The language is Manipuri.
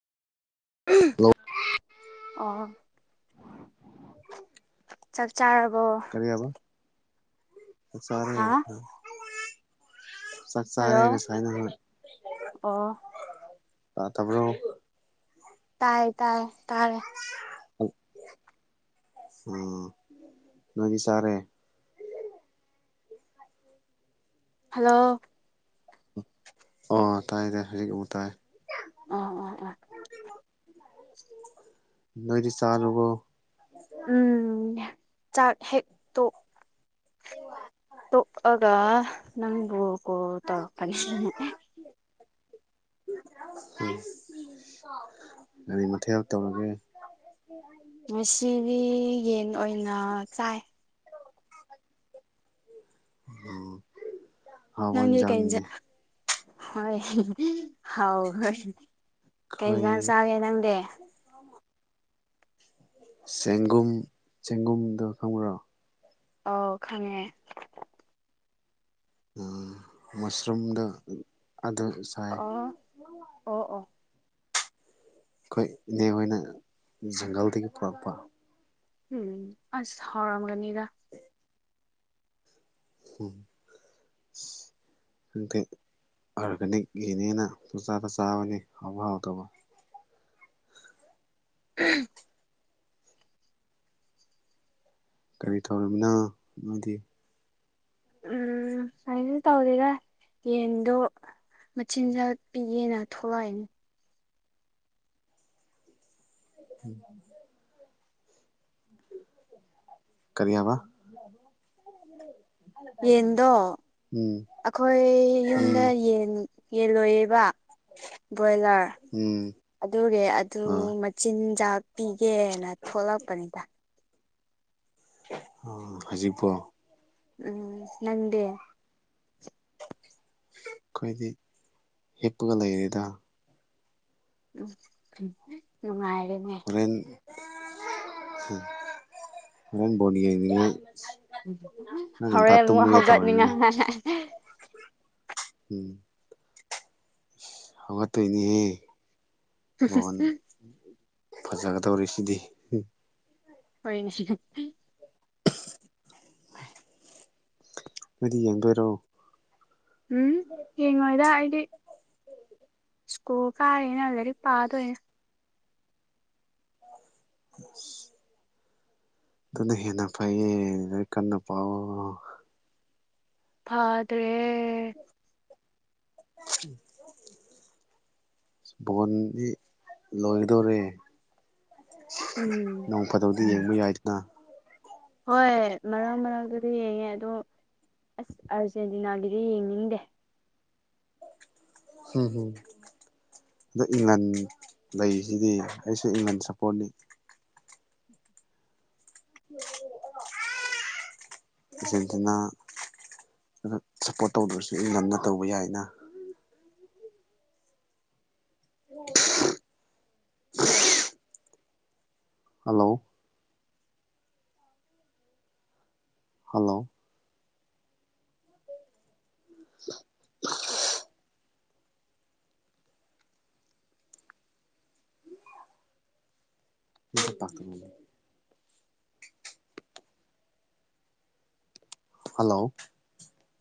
ꯍꯜꯂꯣ ꯑꯣ ꯆꯥꯛ ꯆꯥꯔꯕꯣ ꯀꯔꯤꯕ ꯁꯔꯦ ꯍꯥ ꯆꯥꯛ ꯆꯥꯔꯦ ꯍꯜꯂꯣ ꯉꯁꯥꯏꯅ ꯑꯣ ꯇꯥꯠꯇꯕ꯭ꯔꯣ ꯇꯥꯥꯏꯌꯦ ꯇꯥꯌꯦꯦ ꯇꯥꯔꯦ ꯑꯝ ꯎꯝ ꯅꯣꯏꯗꯤ ꯁꯔꯦ ꯍꯜꯂꯣ ꯑꯣ ꯇꯥꯏ ꯇꯥꯏ ꯍꯧꯖꯤꯛ ꯑꯃꯨꯛ ꯇꯥꯏ ꯑ ꯑ ꯑ ꯅꯣꯏꯗꯤ ꯆꯥꯂꯨꯕꯣ ꯎꯝ ꯆꯥꯛ ꯍꯦꯛ ꯇꯣꯑꯒ ꯅꯪꯕꯨ ꯀꯣ ꯇꯔ ꯀꯅꯤ ꯎꯝ [unintelligible] ꯀ ꯃꯊꯦꯜ ꯇꯧꯔꯒꯦ ꯉꯁꯤꯗꯤ ꯌꯦꯟ ꯑꯣꯏꯅ ꯆꯥꯏ ꯎꯝ ꯍꯥꯎꯕ ꯅꯪ ꯀꯩꯖ ꯏꯟꯖꯥꯡꯅꯤꯅꯦ ꯍ ꯍ ꯑꯩꯈꯣꯏ ꯀꯩꯀꯥꯟ ꯆꯥꯏꯦ ꯅꯪꯗꯤ ꯆꯦꯡꯒꯨꯝ ꯆꯦꯡꯒꯨꯝꯗꯣ ꯈꯪꯕ꯭ꯔꯣ ꯑꯣ ꯈꯪꯉꯦ ꯎꯝ ꯃꯁꯔꯨꯝꯗ ꯑꯗꯨꯗ ꯑ ꯑꯣ ꯑꯣ ꯑꯩꯈꯣꯏ ꯏꯅꯦꯦꯛ ꯑꯣꯏꯅ ꯖꯪꯒꯜꯗꯒꯤ ꯄꯨꯔꯛꯄ ꯎꯝ ꯑꯁ ꯍꯥꯎꯔꯝꯒꯅꯤꯗ ꯎꯝ ꯈꯪꯗꯦ ꯑꯣꯔꯒꯥꯅꯤꯛ ꯌꯦꯅꯦꯅ ꯄꯨꯆꯥꯥꯗ ꯆꯥꯕꯅꯤ ꯍꯥꯎꯕ ꯍꯥꯎꯗꯕ ꯎꯝ ꯀꯔꯤ ꯊꯧꯔꯝꯃꯤꯅ ꯑꯃꯗꯤ ꯎꯝ ꯁꯨꯃꯥꯏ ꯇꯧꯔꯒ ꯌꯦꯟꯗꯣ ꯃꯆꯤꯟꯖꯥꯛ ꯄꯤꯒꯦꯅ ꯊꯣꯛꯂꯛꯏꯅꯦ ꯎꯝ ꯀꯔꯤꯌꯥꯕ ꯌꯦꯟꯗꯣ ꯑꯩꯈꯣꯏ ꯌꯨꯝꯗ ꯎꯝ ꯌꯦꯟ ꯌꯦꯟꯂꯣꯏꯌꯦꯕ ꯕꯣꯏꯂꯔ ꯎꯝ ꯑꯗꯨꯒꯤ ꯑꯗꯨ ꯑ ꯆꯤꯟꯖꯥꯛ ꯄꯤꯒꯦꯅ ꯊꯣꯛꯂꯛꯄꯅꯤꯗ ꯎ ꯍꯧꯖꯤꯛꯄꯣ ꯎꯝ ꯅꯪꯗꯦ ꯑꯩꯈꯣꯏꯗꯤ ꯍꯤꯞꯄꯒ ꯂꯩꯔꯦꯗ ꯎꯝ ꯎꯝꯉꯥꯏꯔꯃꯦ ꯦꯟꯣꯔꯦꯟ ꯣꯅꯤ ꯍꯣꯔꯦꯟ ꯑꯃꯨꯛ ꯇꯧꯔꯤꯅꯦ ꯍꯧꯒꯠꯅꯤꯡꯉꯥꯏ ꯎꯝ ꯍꯉ ꯇꯣꯏꯅꯤꯍꯦ ꯃꯣꯟ ꯐꯖꯒꯗꯧꯔꯤ ꯁꯤꯗꯤ ꯍꯣꯏꯅꯤ ꯁꯤ ꯈꯦ [inaudible] ꯅꯣꯏꯗꯤ ꯌꯦꯡꯗꯣꯏꯔꯣ ꯎꯝ ꯍꯉꯣꯏꯗ ꯍꯥꯏꯗꯤ ꯁꯀꯨꯜ ꯀꯥꯏꯩꯅꯔꯤ ꯄꯥꯗ ꯑꯣꯏꯅ ꯈꯁ ꯑꯗꯨꯅ ꯍꯦꯟꯅ ꯐꯩꯌꯦ ꯑ ꯀꯟꯅ ꯄꯥꯎ ꯐꯥꯗ꯭ꯔꯦ ꯎꯝ ꯣꯟ ꯂꯣꯏꯗꯣꯔꯦ ꯎꯝ ꯅꯣꯡ ꯐꯗꯧꯗ ꯎꯝ ꯌꯦꯡꯕ ꯌꯥꯏꯗꯨꯅ ꯍꯣꯏ ꯃꯔꯛ ꯃꯔꯛꯇꯗ ꯌꯦꯡꯉꯦ ꯑꯗꯣ ꯑꯁ ꯑꯥꯔꯖꯦꯟꯇꯤꯅꯥꯒꯤꯗꯤ ꯌꯦꯡꯅꯤꯡꯗꯦ ꯍꯝ ꯍꯨꯝ ꯑꯗ ꯏꯪꯒꯟ ꯂꯩꯁꯤꯗꯤ ꯑꯩꯁꯨ ꯏꯪꯒꯟ ꯁꯄꯣꯔꯠꯅꯤ ꯄꯖꯦꯟꯁꯤꯅ ꯁꯞꯄꯣꯔꯠ ꯇꯧꯗ꯭ꯔꯁꯨ ꯏꯟ ꯂꯟꯅ ꯇꯧꯕ ꯌꯥꯏꯅ ꯍꯜꯂꯣ ꯍꯜꯂꯣ [inaudible] [unintelligible] ꯍꯜꯂꯣ